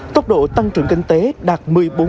tốc độ tăng trưởng kinh tế đạt một mươi bốn